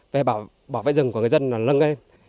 về bảo vệ rừng của người dân nâng lên